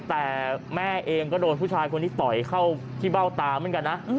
แต่แม่เองก็โดนผู้ชายคนนี้ต่อยเข้าที่เบ้าตาเหมือนกันนะ